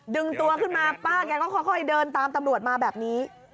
ดึงตัวขึ้นมาป้าแกก็ค่อยเดินตามตำรวจมาแบบนี้